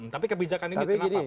tapi kebijakan ini kenapa